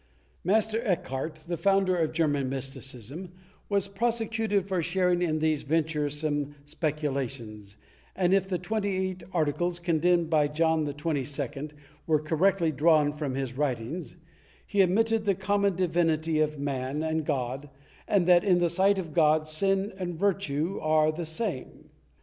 Master Eckhart, the founder of German mysticism, was prosecuted for sharing in these venture some speculations and, if the twenty eight articles condemned by John XXII were correctly drawn from his writings, he admitted the common divinity of man and God and that, in the sight of God, sin and virtue are the same.